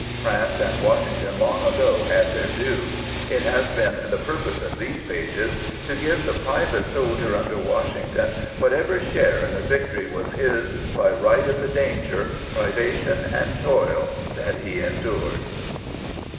France and Washington long ago had their due ; it has been the purpose of these pages to give the private soldier under Washington whatever share in the victory was his by right of the danger, privation, and toil that he endured.